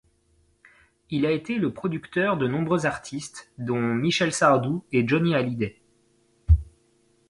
Il a été le producteur de nombreux artistes, dont Michel Sardou et Johnny Hallyday.